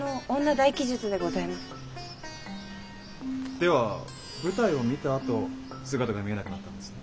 では舞台を見たあと姿が見えなくなったんですね？